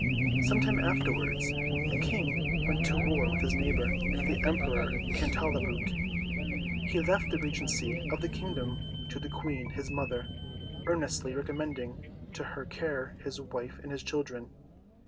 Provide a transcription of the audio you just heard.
Some time afterwards, the King went to war with his neighbour, the Emperor Cantalabute. He left the regency of the kingdom to the Queen, his mother, earnestly recommending to her care his wife and his children.